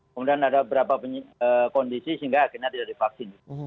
kemudian ada berapa kondisi sehingga akhirnya tidak divaksin